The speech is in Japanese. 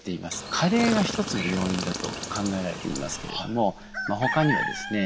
加齢が１つの要因だと考えられていますけれどもほかにはですね